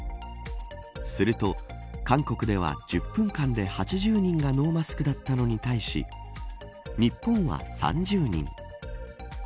すると韓国では１０分間で８０人がノーマスクだったのに対し日本は３０人。